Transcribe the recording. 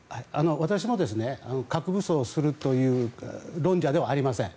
私も核武装をするという論者ではありません。